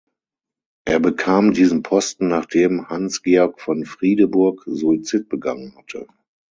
Er bekam diesen Posten, nachdem Hans-Georg von Friedeburg Suizid begangen hatte.